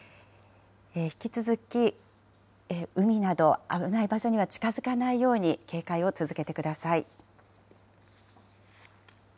引き続き海など、危ない場所には近づかないように警戒を続けてください。